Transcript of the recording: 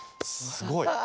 すごいよ。